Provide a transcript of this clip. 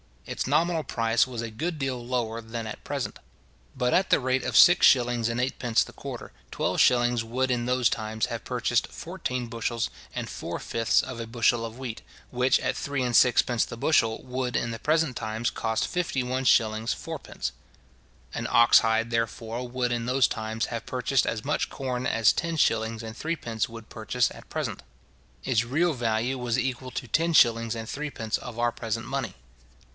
Its nominal price was a good deal lower than at present. But at the rate of six shillings and eightpence the quarter, twelve shillings would in those times have purchased fourteen bushels and four fifths of a bushel of wheat, which, at three and sixpence the bushel, would in the present times cost 51s. 4d. An ox hide, therefore, would in those times have purchased as much corn as ten shillings and threepence would purchase at present. Its real value was equal to ten shillings and threepence of our present money.